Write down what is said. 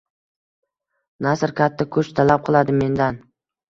Nasr katta kuch talab qiladi mendan.